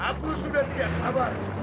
aku sudah tidak sabar